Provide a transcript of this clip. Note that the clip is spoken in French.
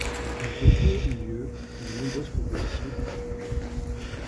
Un concours eut lieu, et de nombreuses propositions affluèrent.